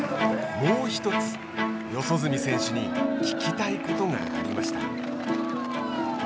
もうひとつ、四十住選手に聞きたいことがありました。